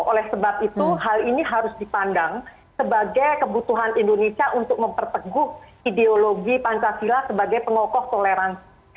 oleh sebab itu hal ini harus dipandang sebagai kebutuhan indonesia untuk memperteguh ideologi pancasila sebagai pengokoh toleransi